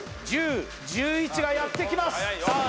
９１０１１がやってきますさあ